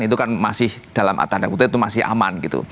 itu kan masih dalam atas anggaran itu masih aman